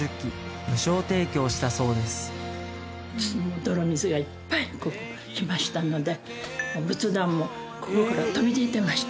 泥水がいっぱいここ来ましたので仏壇もここから飛び散ってました